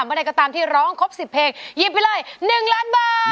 ใดก็ตามที่ร้องครบ๑๐เพลงหยิบไปเลย๑ล้านบาท